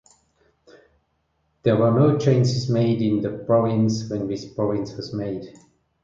There were no changes made in this province when this province was made.